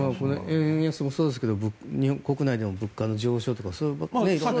円安もそうですけど日本国内でも物価の上昇とか。